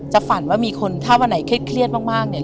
ฝันว่ามีคนถ้าวันไหนเครียดมากเนี่ย